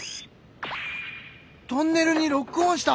トンネルにロックオンした！